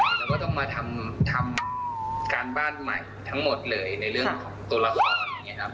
เราก็ต้องมาทำการบ้านใหม่ทั้งหมดเลยในเรื่องของตัวละคร